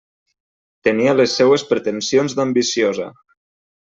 Tenia les seues pretensions d'ambiciosa.